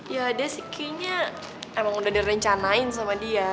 ya deh kayaknya emang udah direncanain sama dia